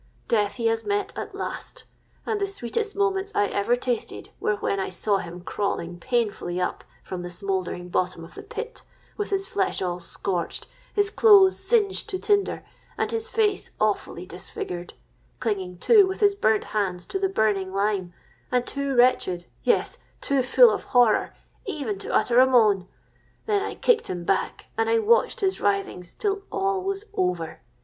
Death he has met at last; and the sweetest moments I ever tasted were when I saw him crawling painfully up from the smouldering bottom of the pit, with his flesh all scorched, his clothes singed to tinder, and his face awfully disfigured,—clinging, too, with his burnt hands to the burning lime, and too wretched—yes, too full of horror, even to utter a moan. Then I kicked him back, and I watched his writhings till all was over.